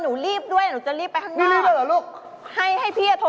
เนี่ยหนูจะรบกวนพวกพี่อ่ะ